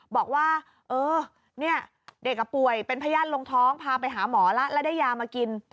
บอกว่าเด็กป่วยเป็นพยาดลงท้องพาไปหาหมอแล้วได้ยามากิน